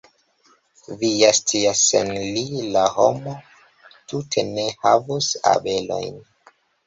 Vi ja scias, sen li la homo tute ne havus abelojn.